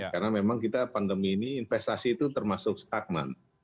karena memang kita pandemi ini investasi itu termasuk stagnan